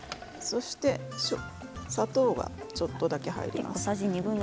砂糖がちょっとだけ入ります。